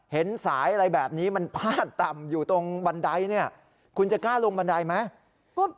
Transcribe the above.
เห็นสายอะไรแบบนี้มันพาดต่ำอยู่ตรงบันไดเนี่ยคุณจะกล้าลงบันไดไหม